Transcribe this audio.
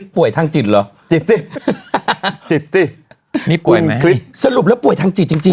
ป่วยทางจิตเหรอจิตสิจิตสินี่ป่วยไหมสรุปแล้วป่วยทางจิตจริงจริง